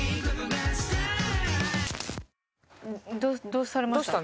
どうされました？